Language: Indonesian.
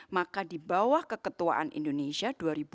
maka di bawah keketuaan indonesia